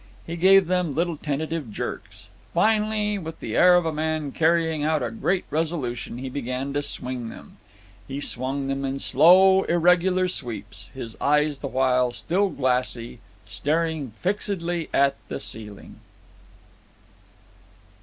He gave them little tentative jerks. Finally, with the air of a man carrying out a great resolution, he began to swing them. He swung them in slow, irregular sweeps, his eyes the while, still glassy, staring fixedly at the ceiling.